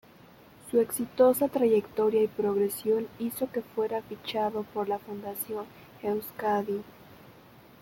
Su exitosa trayectoria y progresión hizo que fuera fichado por la Fundación Euskadi.